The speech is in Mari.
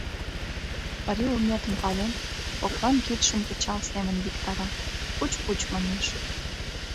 Марий улметым пален, коклан кидшым пычал семын виктара, пуч-пуч манеш.